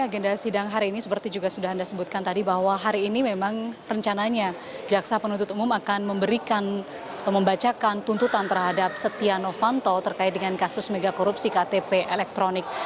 agenda sidang hari ini seperti juga sudah anda sebutkan tadi bahwa hari ini memang rencananya jaksa penuntut umum akan memberikan atau membacakan tuntutan terhadap setia novanto terkait dengan kasus megakorupsi ktp elektronik